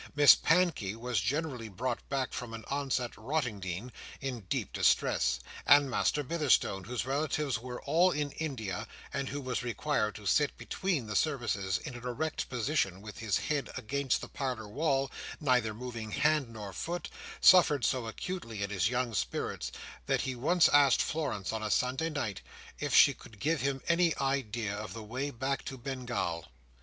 Miss Pankey was generally brought back from an aunt's at Rottingdean, in deep distress; and Master Bitherstone, whose relatives were all in India, and who was required to sit, between the services, in an erect position with his head against the parlour wall, neither moving hand nor foot, suffered so acutely in his young spirits that he once asked Florence, on a Sunday night, if she could give him any idea of the way back to Bengal.